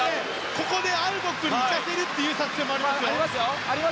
ここでアウボックに行かせるという作戦ありますよ。